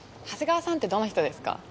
長谷川さんってどの人ですか？